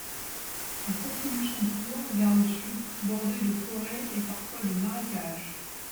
Elle continue son cours vers le sud, bordée de forêts et parfois de marécages.